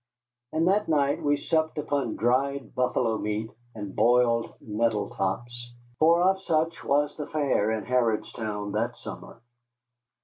And that night we supped upon dried buffalo meat and boiled nettle tops, for of such was the fare in Harrodstown that summer.